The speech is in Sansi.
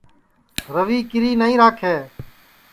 روی کیری نائی راکھے